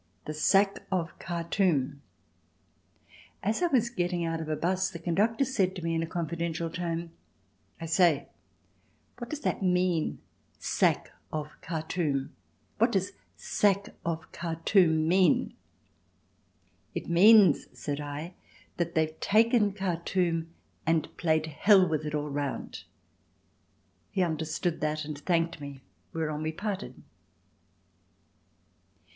The Sack of Khartoum As I was getting out of a 'bus the conductor said to me in a confidential tone: "I say, what does that mean? 'Sack of Khartoum'? What does 'Sack of Khartoum' mean?" "It means," said I, "that they've taken Khartoum and played hell with it all round." He understood that and thanked me, whereon we parted.